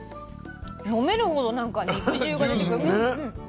飲めるほどなんか肉汁が出てくる。